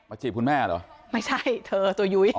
จีบคุณแม่เหรอไม่ใช่เธอตัวยุ้ย